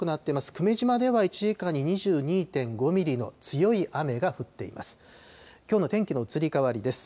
久米島では１時間に２２．５ミリの強い雨が降っています。